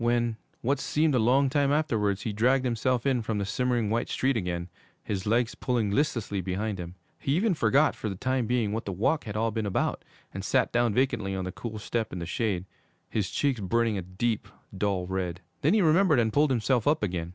When, what seemed a long time afterwards, he dragged himself in from the simmering, white street again, his legs pulling listlessly behind him, he even forgot, for the time being, what the walk had all been about, and sat down vacantly on the cool step in the shade, his cheeks burning a deep, dull red. Then he remembered and pulled himself up again.